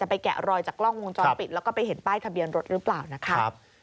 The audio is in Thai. ไปแกะรอยจากกล้องวงจรปิดแล้วก็ไปเห็นป้ายทะเบียนรถหรือเปล่านะคะ